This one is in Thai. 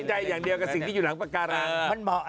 สนใจอย่างเดียวกับสิ่งที่อยู่หลังปากกาลัง